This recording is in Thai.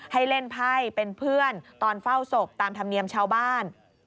ให้เล่นไพ่เป็นเพื่อนตอนเฝ้าศพตามธรรมเนียมชาวบ้าน